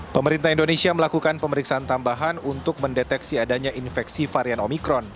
pemerintah indonesia melakukan pemeriksaan tambahan untuk mendeteksi adanya infeksi varian omikron